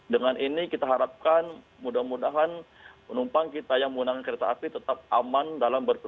dengan ini kita harapkan mudah mudahan penumpang kita yang menggunakan kereta api tetap aman dalam perjalanan